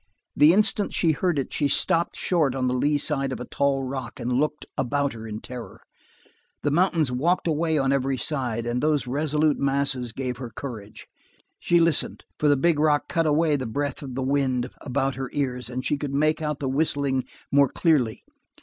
The instant she heard it she stopped short on the lee side of a tall rock and looked about her in terror. The mountains walked away on every side, and those resolute masses gave her courage. She listened, for the big rock cut away the breath of the wind about her ears and she could make out the whistling more clearly.